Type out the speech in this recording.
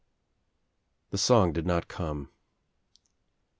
' The song did not come.